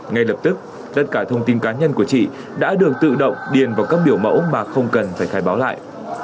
ngay lập tức tất cả thông tin cá nhân của chị đã được tự động điền vào các biểu mẫu mà không cần phải khai báo lại